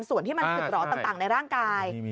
ส่วนที่มันฝึกหรอต่างในร่างกาย